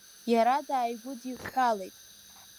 Иара дааигәыдиҳәҳәалеит.